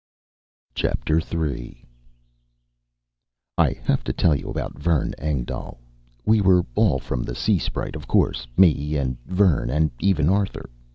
III I have to tell you about Vern Engdahl. We were all from the Sea Sprite, of course me and Vern and even Arthur.